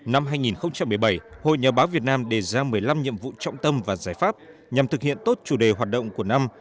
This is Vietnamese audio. năm hai nghìn một mươi bảy hội nhà báo việt nam đề ra một mươi năm nhiệm vụ trọng tâm và giải pháp nhằm thực hiện tốt chủ đề hoạt động của năm